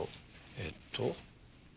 えっと。